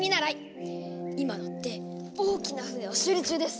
今だって大きな船を修理中です！